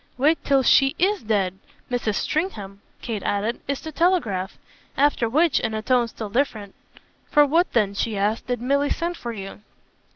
"Wait till she IS dead! Mrs. Stringham," Kate added, "is to telegraph." After which, in a tone still different, "For what then," she asked, "did Milly send for you?"